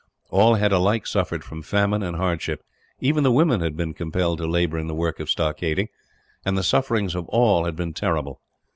All had alike suffered from famine and hardship. Even the women had been compelled to labour in the work of stockading, and the sufferings of all had been terrible.